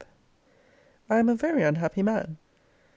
I am a very unhappy man.